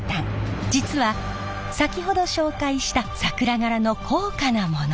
実は先ほど紹介した桜柄の高価なもの。